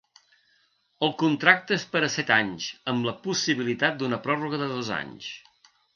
El contracte és per a set anys amb la possibilitat d'una pròrroga de dos anys.